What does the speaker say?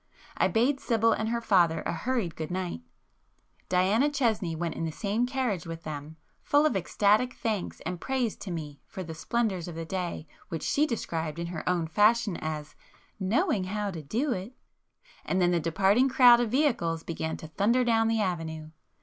I bade Sibyl and her father a hurried good night,—Diana Chesney went in the same carriage with them, full of ecstatic thanks and praise to me for the splendours of the day which she described in her own fashion as "knowing how to do it,—" and then the departing crowd of vehicles began to thunder down the avenue.